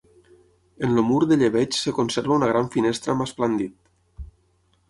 En el mur de llebeig es conserva una gran finestra amb esplandit.